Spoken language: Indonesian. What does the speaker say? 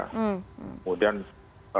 kemudian banyak menyalahkan